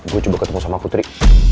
gue coba ketemu sama putri